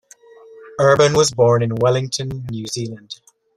Urban was born in Wellington, New Zealand.